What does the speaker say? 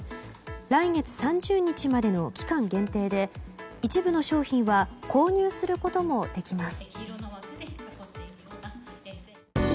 来月３０日までの期間限定で一部の商品は購入することもできます。